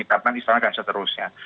tanpa istana dan seterusnya